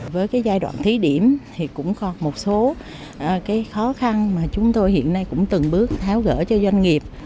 với cái giai đoạn thí điểm thì cũng còn một số khó khăn mà chúng tôi hiện nay cũng từng bước tháo gỡ cho doanh nghiệp